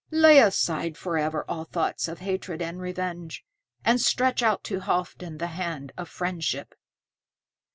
Lay aside forever all thoughts of hatred and revenge, and stretch out to Halfdan the hand of friendship."